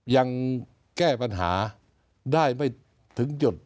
ยังแก้ปัญหาได้ไม่ถึงจุด